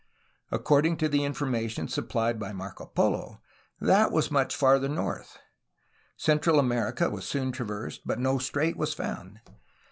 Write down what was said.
According to the information supplied by Marco Polo, that was much farther north. Central America was soon traversed, but no strait was found.